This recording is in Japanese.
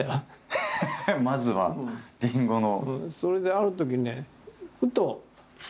まずはりんごの。